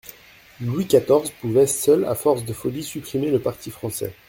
Louis quatorze pouvait seul, à force de folies, supprimer le parti français.